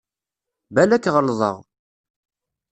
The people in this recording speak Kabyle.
Balak ɣelḍeɣ.